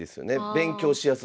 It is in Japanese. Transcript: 勉強しやすそう。